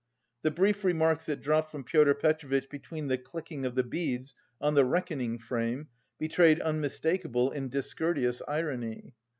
The brief remarks that dropped from Pyotr Petrovitch between the clicking of the beads on the reckoning frame betrayed unmistakable and discourteous irony.